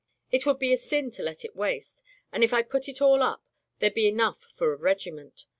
It would be a sin to let it waste, and if I put it all up, there'd be enough for a regiment.